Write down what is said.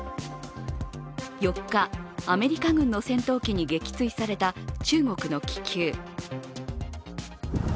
４日、アメリカ軍の戦闘機に撃墜された中国の気球。